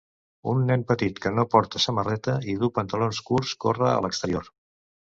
Un nen petit que no porta samarreta i du pantalons curts corre a l'exterior.